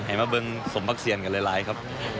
ให้มาเบิ้งสมภักษีกันหลายครับ